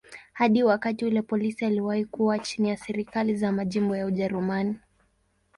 Hadi wakati ule polisi iliwahi kuwa chini ya serikali za majimbo ya Ujerumani.